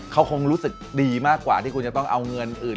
เขาคงรู้สึกดีมากกว่าที่คุณจะต้องเอาเงินอื่น